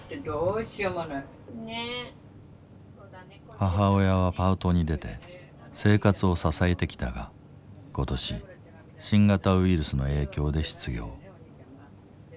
母親はパートに出て生活を支えてきたが今年新型ウイルスの影響で失業。